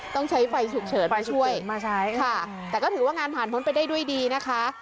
ต้องใช้ไฟฉุกเฉินมาช่วยมาใช้ค่ะแต่ก็ถือว่างานผ่านพ้นไปได้ด้วยดีนะคะ